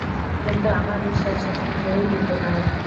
কিন্তু আমার বিশ্বাস সেখানে কেউই ভীতু নয়।